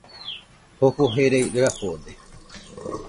Jofo jerai rafode